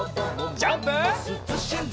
ジャンプ！